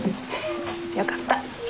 よかった。